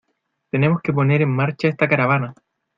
Tenemos que poner en marcha esta caravana.